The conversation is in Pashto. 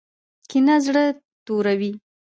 کینه زړه توروي